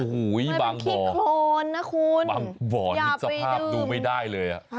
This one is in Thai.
มันแบบคิดโคนบ่อนี้สภาพดูไม่ได้เลย